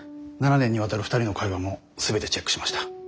７年にわたる２人の会話も全てチェックしました。